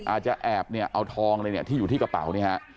อาจจะแอบเอาทองเลยที่อยู่ที่กระเป๋านี่ฮะ